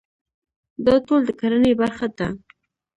دا ټول د کرنې برخه ده.